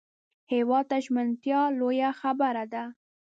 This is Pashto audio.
هېواد ته ژمنتیا لویه خبره ده